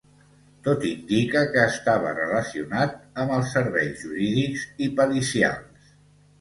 Tot indica que estava relacionat amb els serveis jurídics i pericials.